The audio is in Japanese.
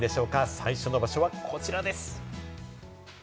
最初の場所はこちらです。